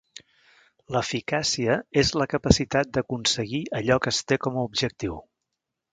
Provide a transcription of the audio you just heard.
L'eficàcia és la capacitat d'aconseguir allò que es té com a objectiu.